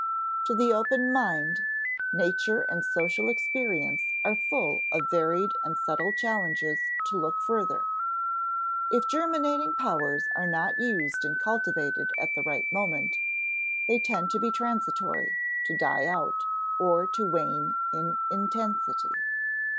To the open mind, nature and social experience are full of varied and subtle challenges to look further. If germinating powers are not used and cultivated at the right moment, they tend to be transitory, to die out, or to wane in intensity.